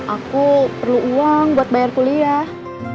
aku perlu uang buat bayar kuliah